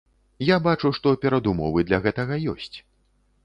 Я бачу, што перадумовы для гэтага ёсць.